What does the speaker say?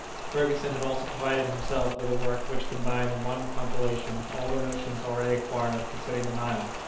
Ferguson had also provided himself with a work which combined in one compilation all the notions already acquired concerning the Nile.